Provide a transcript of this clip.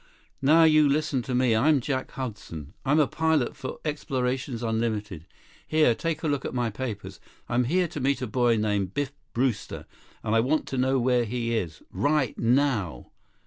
"Now you listen to me. I'm Jack Hudson. I'm a pilot for Explorations Unlimited. Here, take a look at my papers. I'm here to meet a boy named Biff Brewster, and I want to know where he is. Right now!"